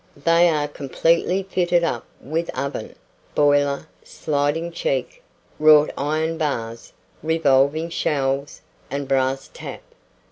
They are completely fitted up with oven, boiler, sliding cheek, wrought iron bars, revolving shelves, and brass tap.